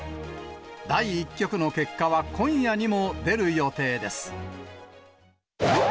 第１局の結果は、今夜にも出る予定です。